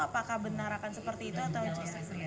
apakah benar akan seperti itu atau